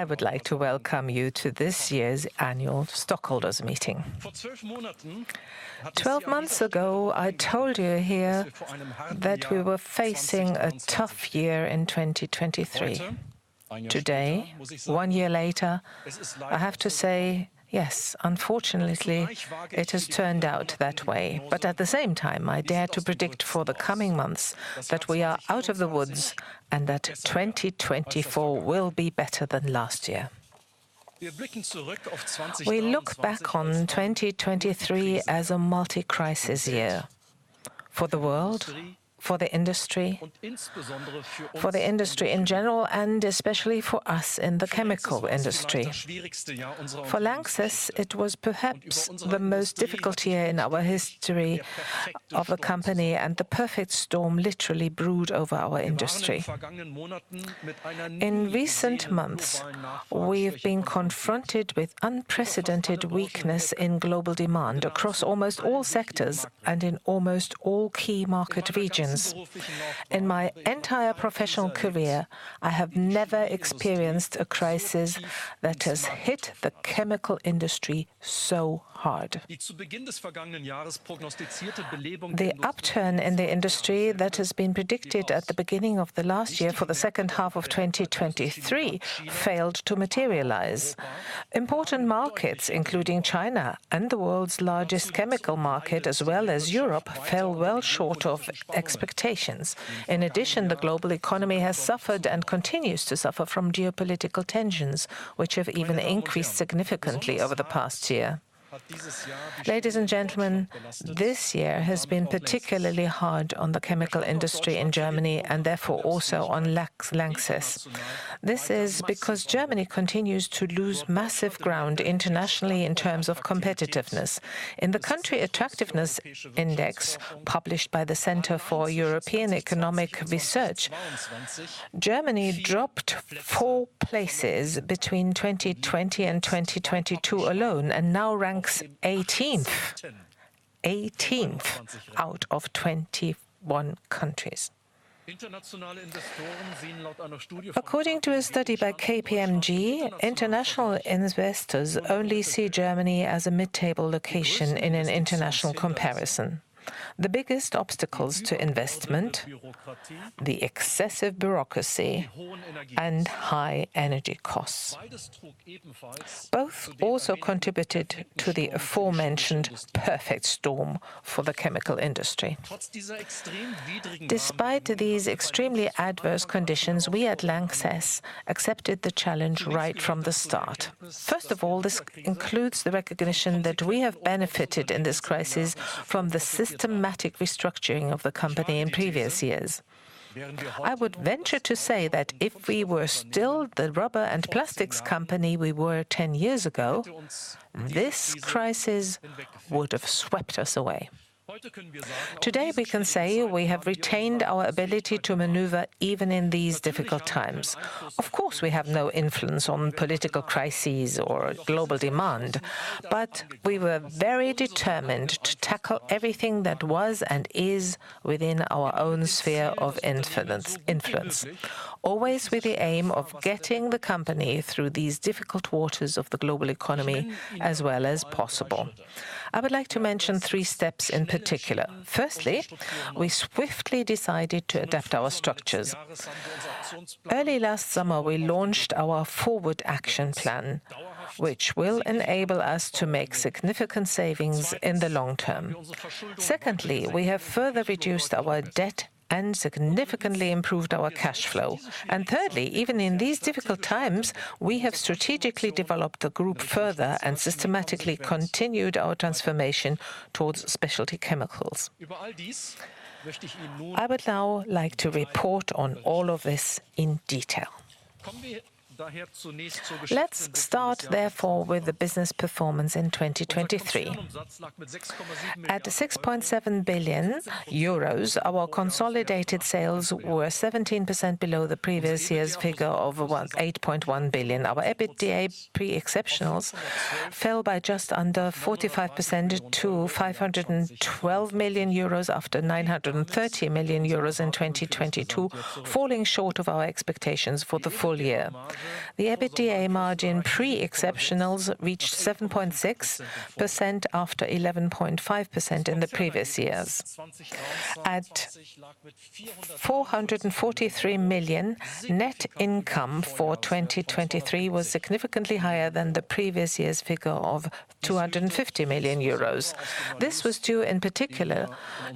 I would like to welcome you to this year's annual stockholders meeting. 12 months ago, I told you here that we were facing a tough year in 2023. Today, one year later, I have to say, yes, unfortunately, it has turned out that way. But at the same time, I dare to predict for the coming months that we are out of the woods, and that 2024 will be better than last year. We look back on 2023 as a multi-crisis year for the world, for the industry, for the industry in general, and especially for us in the chemical industry. For LANXESS, it was perhaps the most difficult year in our history of the company, and the perfect storm literally brewed over our industry. In recent months, we have been confronted with unprecedented weakness in global demand across almost all sectors and in almost all key market regions. In my entire professional career, I have never experienced a crisis that has hit the chemical industry so hard. The upturn in the industry that has been predicted at the beginning of the last year for the second half of 2023 failed to materialize. Important markets, including China and the world's largest chemical market, as well as Europe, fell well short of expectations. In addition, the global economy has suffered and continues to suffer from geopolitical tensions, which have even increased significantly over the past year. Ladies and gentlemen, this year has been particularly hard on the chemical industry in Germany, and therefore also on LANXESS. This is because Germany continues to lose massive ground internationally in terms of competitiveness. In the Country Attractiveness Index, published by the Centre for European Economic Research, Germany dropped four places between 2020 and 2022 alone, and now ranks 18th, 18th out of 21 countries. According to a study by KPMG, international investors only see Germany as a mid-table location in an international comparison. The biggest obstacles to investment: the excessive bureaucracy and high energy costs. Both also contributed to the aforementioned perfect storm for the chemical industry. Despite these extremely adverse conditions, we at LANXESS accepted the challenge right from the start. First of all, this includes the recognition that we have benefited in this crisis from the systematic restructuring of the company in previous years. I would venture to say that if we were still the rubber and plastics company we were ten years ago, this crisis would have swept us away. Today, we can say we have retained our ability to maneuver even in these difficult times. Of course, we have no influence on political crises or global demand, but we were very determined to tackle everything that was and is within our own sphere of influence, always with the aim of getting the company through these difficult waters of the global economy as well as possible. I would like to mention three steps in particular. Firstly, we swiftly decided to adapt our structures. Early last summer, we launched our FORWARD! Action plan, which will enable us to make significant savings in the long term. Secondly, we have further reduced our debt and significantly improved our cash flow. And thirdly, even in these difficult times, we have strategically developed the group further and systematically continued our transformation towards specialty chemicals. I would now like to report on all of this in detail. Let's start therefore with the business performance in 2023. At 6.7 billion euros, our consolidated sales were 17% below the previous year's figure of, well, 8.1 billion. Our EBITDA pre exceptionals fell by just under 45% to 512 million euros, after 930 million euros in 2022, falling short of our expectations for the full year. The EBITDA margin pre exceptionals reached 7.6% after 11.5% in the previous years. At 443 million, net income for 2023 was significantly higher than the previous year's figure of 250 million euros. This was due in particular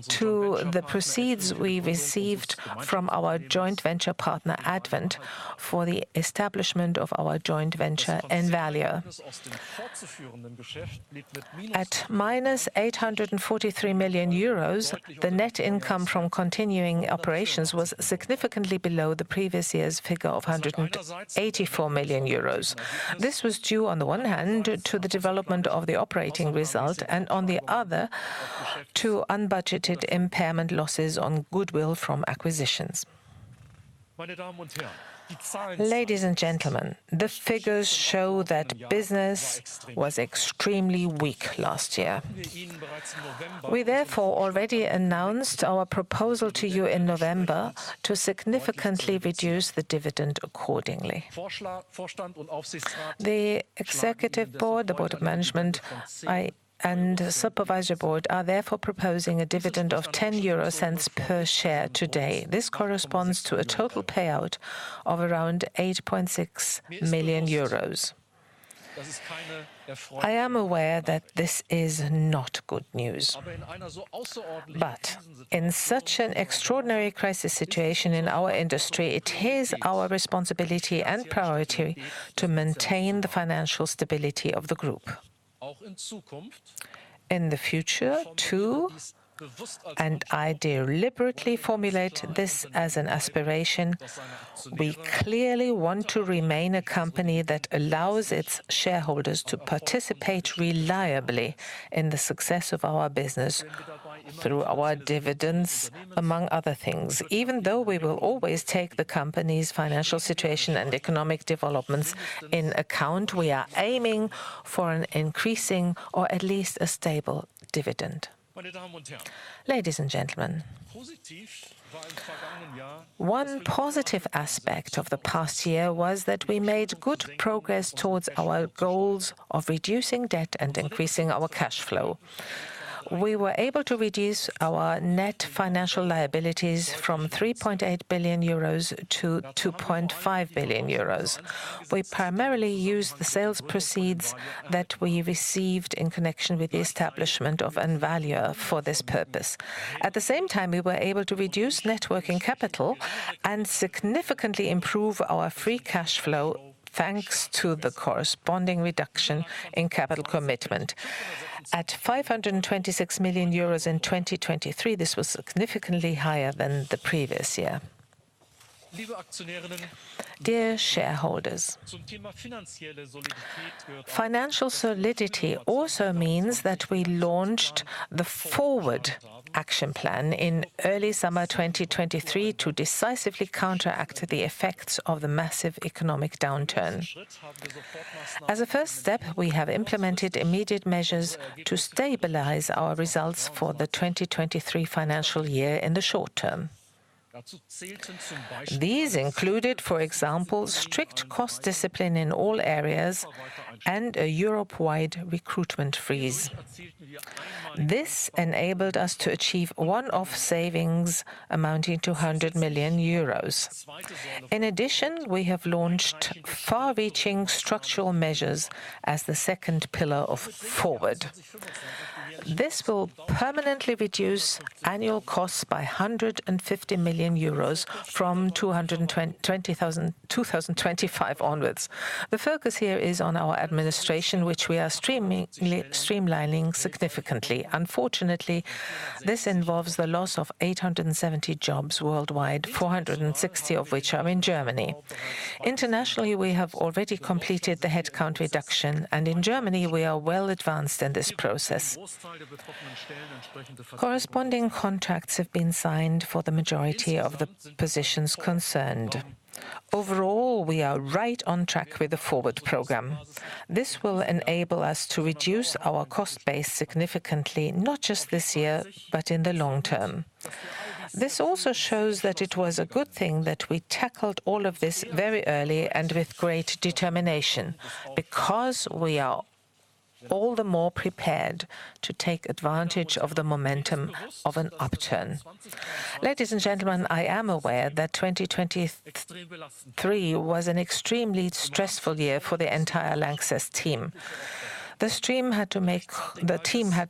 to the proceeds we received from our joint venture partner, Advent, for the establishment of our joint venture, Envalior. At -843 million euros, the net income from continuing operations was significantly below the previous year's figure of 184 million euros. This was due, on the one hand, to the development of the operating result, and on the other, to unbudgeted impairment losses on goodwill from acquisitions. Ladies and gentlemen, the figures show that business was extremely weak last year. We therefore already announced our proposal to you in November to significantly reduce the dividend accordingly. The executive board, the Board of Management, I, and the Supervisory Board are therefore proposing a dividend of 0.10 euro cents per share today. This corresponds to a total payout of around 8.6 million euros. I am aware that this is not good news. But in such an extraordinary crisis situation in our industry, it is our responsibility and priority to maintain the financial stability of the group. In the future, too, and I deliberately formulate this as an aspiration, we clearly want to remain a company that allows its shareholders to participate reliably in the success of our business through our dividends, among other things. Even though we will always take the company's financial situation and economic developments in account, we are aiming for an increasing or at least a stable dividend. Ladies and gentlemen, one positive aspect of the past year was that we made good progress towards our goals of reducing debt and increasing our cash flow. We were able to reduce our net financial liabilities from 3.8 billion euros to 2.5 billion euros. We primarily used the sales proceeds that we received in connection with the establishment of Envalior for this purpose. At the same time, we were able to reduce net working capital and significantly improve our free cash flow, thanks to the corresponding reduction in capital commitment. At 526 million euros in 2023, this was significantly higher than the previous year. Dear shareholders, financial solidity also means that we launched the FORWARD! action plan in early summer 2023, to decisively counteract the effects of the massive economic downturn. As a first step, we have implemented immediate measures to stabilize our results for the 2023 financial year in the short term. These included, for example, strict cost discipline in all areas and a Europe-wide recruitment freeze. This enabled us to achieve one-off savings amounting to 100 million euros. In addition, we have launched far-reaching structural measures as the second pillar of FORWARD!. This will permanently reduce annual costs by 150 million euros from 2025 onwards. The focus here is on our administration, which we are streamlining significantly. Unfortunately, this involves the loss of 870 jobs worldwide, 460 of which are in Germany. Internationally, we have already completed the headcount reduction, and in Germany we are well advanced in this process. Corresponding contracts have been signed for the majority of the positions concerned. Overall, we are right on track with the FORWARD! program. This will enable us to reduce our cost base significantly, not just this year, but in the long term. This also shows that it was a good thing that we tackled all of this very early and with great determination, because we are all the more prepared to take advantage of the momentum of an upturn. Ladies and gentlemen, I am aware that 2023 was an extremely stressful year for the entire LANXESS team. The team had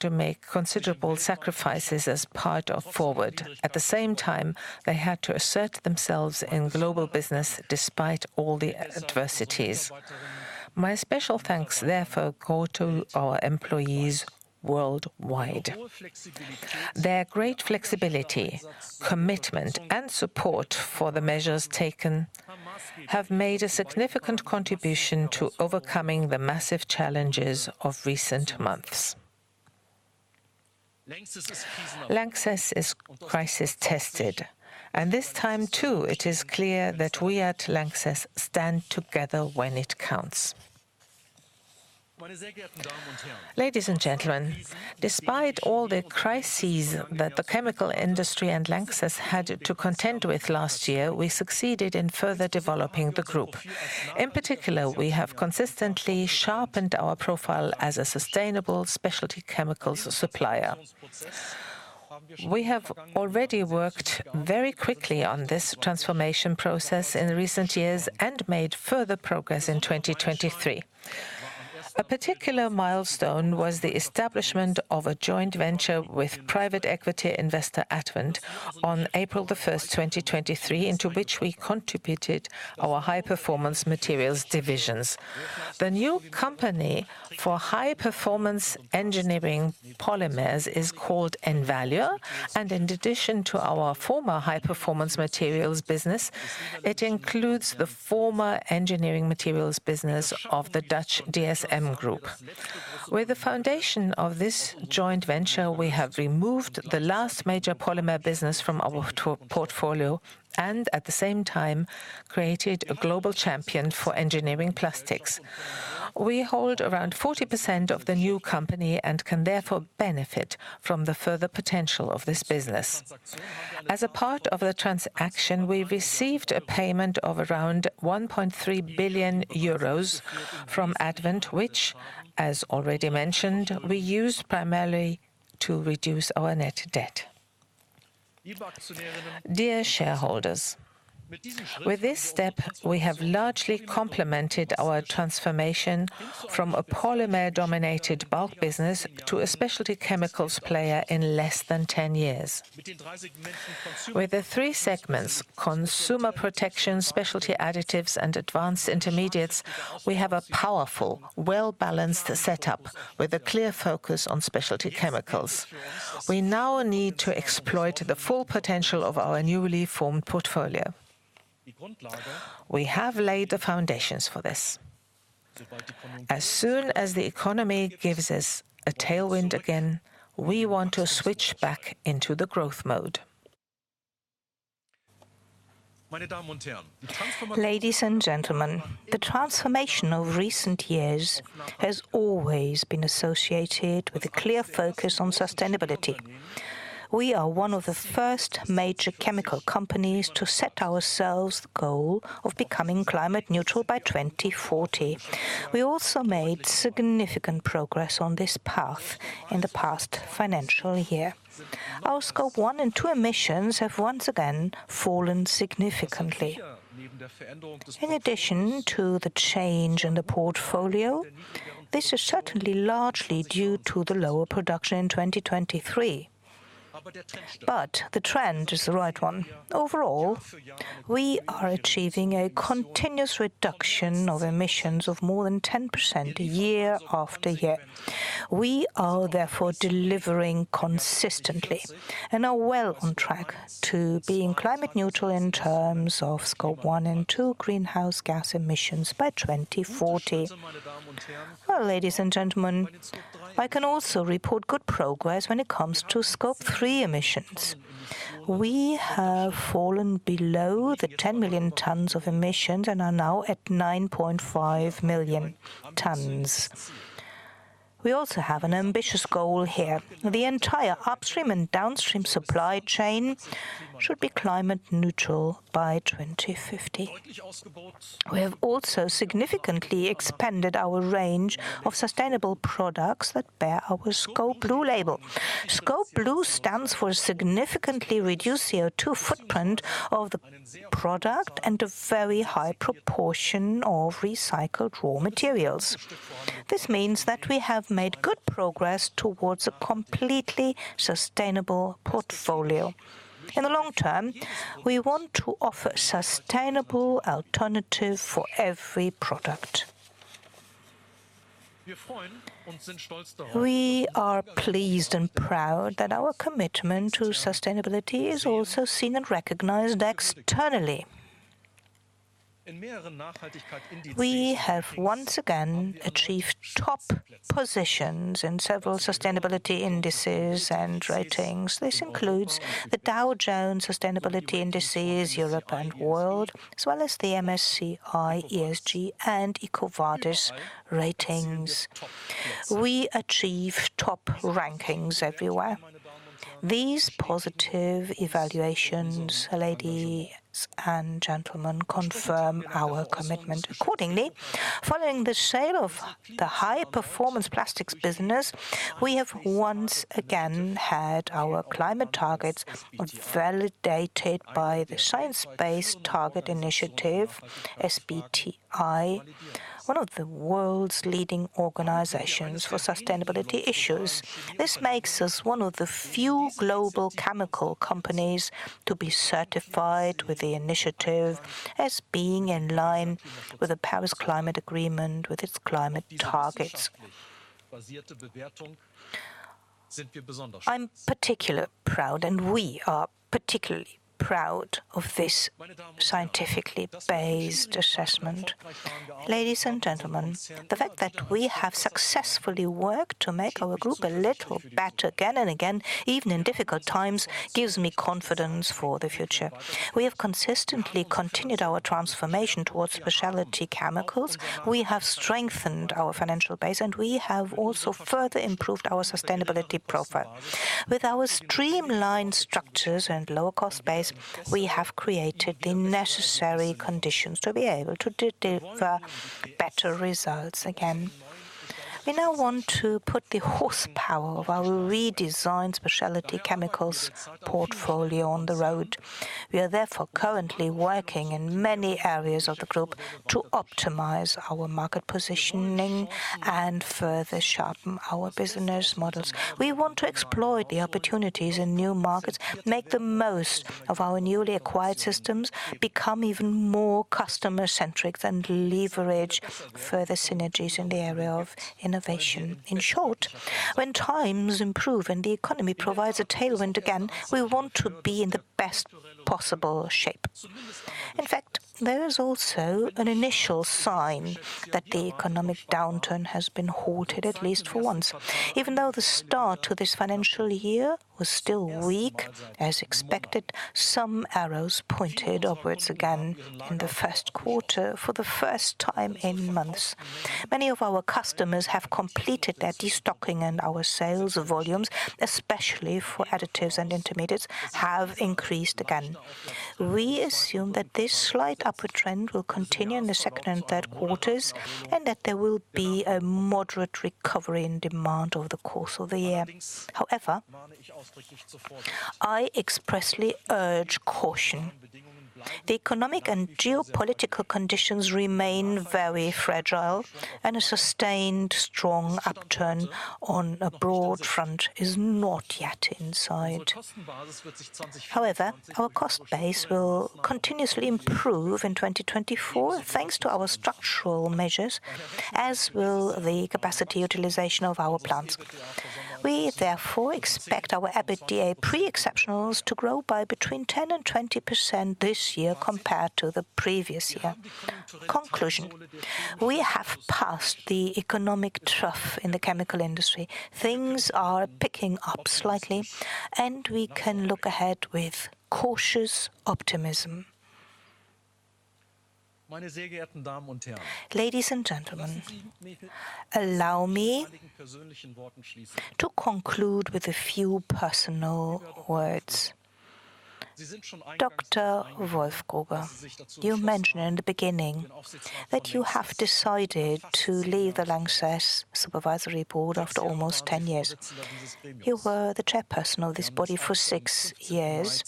to make considerable sacrifices as part of FORWARD!. At the same time, they had to assert themselves in global business despite all the adversities. My special thanks therefore go to our employees worldwide. Their great flexibility, commitment, and support for the measures taken have made a significant contribution to overcoming the massive challenges of recent months. LANXESS is crisis-tested, and this time, too, it is clear that we at LANXESS stand together when it counts. Ladies and gentlemen, despite all the crises that the chemical industry and LANXESS had to contend with last year, we succeeded in further developing the group. In particular, we have consistently sharpened our profile as a sustainable specialty chemicals supplier. We have already worked very quickly on this transformation process in recent years and made further progress in 2023. A particular milestone was the establishment of a joint venture with private equity investor Advent on April the 1st, 2023, into which we contributed our High-Performance Materials divisions. The new company for high-performance engineering polymers is called Envalior, and in addition to our former High-Performance Materials business, it includes the former Engineering Materials business of the Dutch DSM Group. With the foundation of this joint venture, we have removed the last major polymer business from our portfolio, and at the same time created a global champion for engineering plastics. We hold around 40% of the new company and can therefore benefit from the further potential of this business. As a part of the transaction, we received a payment of around 1.3 billion euros from Advent, which, as already mentioned, we used primarily to reduce our net debt. ... Dear shareholders, with this step, we have largely complemented our transformation from a polymer-dominated bulk business to a specialty chemicals player in less than 10 years. With the three segments, Consumer Protection, Specialty Additives, and Advanced Intermediates, we have a powerful, well-balanced setup with a clear focus on specialty chemicals. We now need to exploit the full potential of our newly formed portfolio. We have laid the foundations for this. As soon as the economy gives us a tailwind again, we want to switch back into the growth mode. Ladies and gentlemen, the transformation of recent years has always been associated with a clear focus on sustainability. We are one of the first major chemical companies to set ourselves the goal of becoming climate neutral by 2040. We also made significant progress on this path in the past financial year. Our Scope 1 and 2 emissions have once again fallen significantly. In addition to the change in the portfolio, this is certainly largely due to the lower production in 2023, but the trend is the right one. Overall, we are achieving a continuous reduction of emissions of more than 10% year after year. We are therefore delivering consistently and are well on track to being climate neutral in terms of Scope 1 and 2 greenhouse gas emissions by 2040. Well, ladies and gentlemen, I can also report good progress when it comes to Scope 3 emissions. We have fallen below the 10 million tons of emissions and are now at 9.5 million tons. We also have an ambitious goal here. The entire upstream and downstream supply chain should be climate neutral by 2050. We have also significantly expanded our range of sustainable products that bear our Scopeblue label. Scopeblue stands for a significantly reduced CO2 footprint of the product and a very high proportion of recycled raw materials. This means that we have made good progress towards a completely sustainable portfolio. In the long term, we want to offer sustainable alternative for every product. We are pleased and proud that our commitment to sustainability is also seen and recognized externally. We have once again achieved top positions in several sustainability indices and ratings. This includes the Dow Jones Sustainability Indices, Europe and World, as well as the MSCI, ESG, and EcoVadis ratings. We achieve top rankings everywhere. These positive evaluations, ladies and gentlemen, confirm our commitment. Accordingly, following the sale of the high-performance plastics business, we have once again had our climate targets validated by the Science Based Targets initiative, SBTi, one of the world's leading organizations for sustainability issues. This makes us one of the few global chemical companies to be certified with the initiative as being in line with the Paris Climate Agreement, with its climate targets. I'm particularly proud, and we are particularly proud of this scientifically-based assessment. Ladies and gentlemen, the fact that we have successfully worked to make our group a little better again and again, even in difficult times, gives me confidence for the future. We have consistently continued our transformation towards specialty chemicals. We have strengthened our financial base, and we have also further improved our sustainability profile. With our streamlined structures and lower cost base, we have created the necessary conditions to be able to deliver better results again. We now want to put the horsepower of our redesigned specialty chemicals portfolio on the road. We are therefore currently working in many areas of the group to optimize our market positioning and further sharpen our business models. We want to exploit the opportunities in new markets, make the most of our newly acquired systems, become even more customer-centric, and leverage further synergies in the area of innovation. In short, when times improve and the economy provides a tailwind again, we want to be in the best possible shape. In fact, there is also an initial sign that the economic downturn has been halted, at least for once. Even though the start to this financial year was still weak, as expected, some arrows pointed upwards again in the first quarter for the first time in months. Many of our customers have completed their destocking, and our sales volumes, especially for additives and intermediates, have increased again. We assume that this slight upward trend will continue in the second and third quarters, and that there will be a moderate recovery in demand over the course of the year. However, I expressly urge caution. The economic and geopolitical conditions remain very fragile, and a sustained strong upturn on a broad front is not yet in sight. However, our cost base will continuously improve in 2024, thanks to our structural measures, as will the capacity utilization of our plants. We therefore expect our EBITDA pre exceptionals to grow by between 10% and 20% this year compared to the previous year. Conclusion: We have passed the economic trough in the chemical industry. Things are picking up slightly, and we can look ahead with cautious optimism. Ladies and gentlemen, allow me to conclude with a few personal words. Dr. Wolfgruber, you mentioned in the beginning that you have decided to leave the LANXESS Supervisory Board after almost 10 years. You were the chairperson of this body for six years.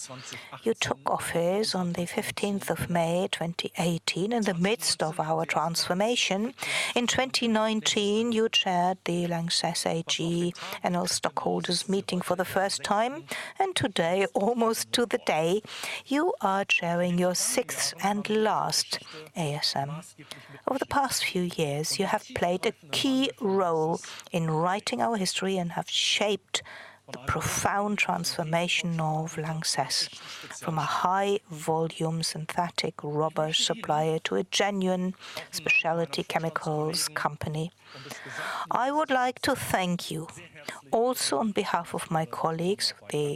You took office on the 15th of May, 2018, in the midst of our transformation. In 2019, you chaired the LANXESS AG Annual Stockholders Meeting for the first time, and today, almost to the day, you are chairing your sixth and last ASM. Over the past few years, you have played a key role in writing our history and have shaped the profound transformation of LANXESS from a high-volume synthetic rubber supplier to a genuine specialty chemicals company. I would like to thank you, also on behalf of my colleagues, the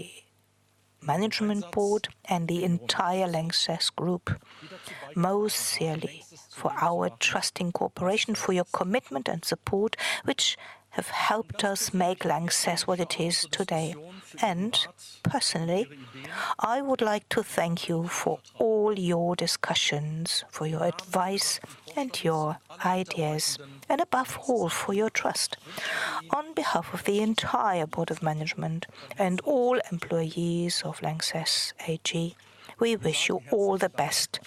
Management Board, and the entire LANXESS group, most sincerely for our trusting cooperation, for your commitment and support, which have helped us make LANXESS what it is today. And personally, I would like to thank you for all your discussions, for your advice and your ideas, and above all, for your trust. On behalf of the entire Board of Management and all employees of LANXESS AG, we wish you all the best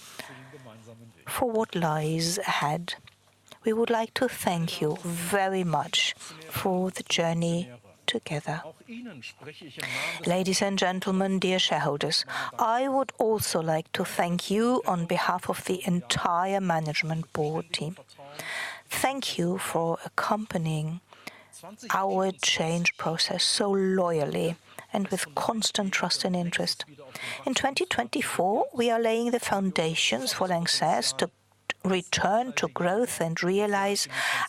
for what lies ahead. We would like to thank you very much for the journey together. Ladies and gentlemen, dear shareholders, I would also like to thank you on behalf of the entire Management Board team. Thank you for accompanying our change process so loyally and with constant trust and interest. In 2024, we are laying the foundations for LANXESS to return to growth and realize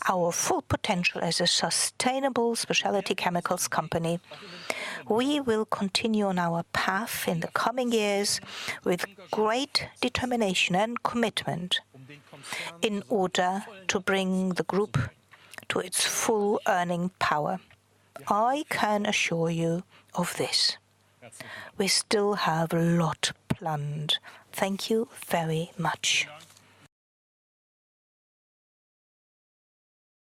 our full potential as a sustainable specialty chemicals company. We will continue on our path in the coming years with great determination and commitment in order to bring the group to its full earning power. I can assure you of this. We still have a lot planned. Thank you very much.